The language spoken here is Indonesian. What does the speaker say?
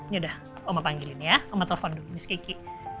yaudah oma panggilin ya oma telepon dulu miss kiki